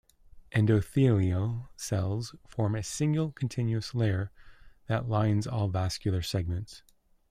Endothelial cells form a single, continuous layer that lines all vascular segments.